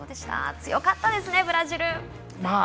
強かったですね、ブラジル。